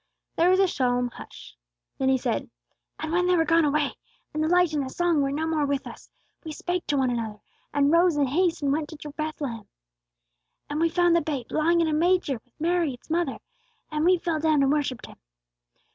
There was a solemn hush. Then he said, "And when they were gone away, and the light and the song were no more with us, we spake one to another, and rose in haste and went to Bethlehem. And we found the Babe lying in a manger with Mary its mother; and we fell down and worshipped Him.